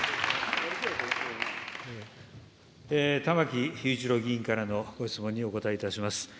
玉木雄一郎議員からのご質問にお答えいたします。